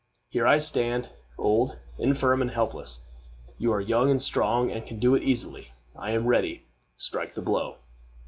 Here I stand, old, infirm, and helpless. You are young and strong, and can do it easily. I am ready. Strike the blow."